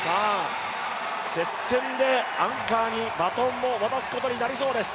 接戦でアンカーにバトンを渡すことになりそうです。